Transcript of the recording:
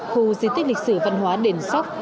khu di tích lịch sử văn hóa đền sóc